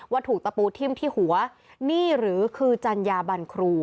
ถูกตะปูทิ้มที่หัวนี่หรือคือจัญญาบันครู